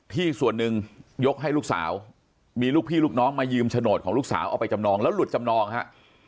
ที่ส่วนหนึ่งยกให้ลูกสาวมีลูกพี่ลูกน้องมายืมโฉนดของลูกสาวเอาไปจำนองแล้วหลุดจำนองฮะ